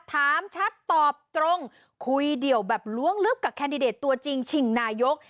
ถามชัดตอบตรงคุยเดี่ยวแบบล้วงลึกกับแคนดิเดตตัวจริงชิงนายก